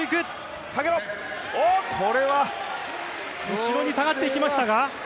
後ろに下がっていきましたが。